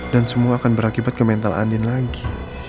dan semua akan berakibat ke mental andin lagi